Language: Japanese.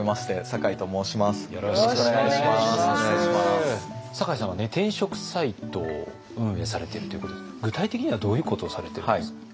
酒井さんは転職サイトを運営されているということですが具体的にはどういうことをされてるんですか？